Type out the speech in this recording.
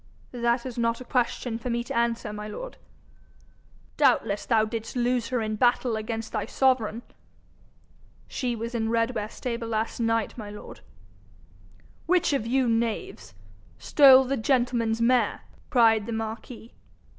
'That is not a question for me to answer, my lord.' 'Doubtless thou didst lose her in battle against thy sovereign.' 'She was in Redware stable last night, my lord.' 'Which of you, knaves, stole the gentleman's mare?' cried the marquis.